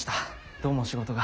どうも仕事が。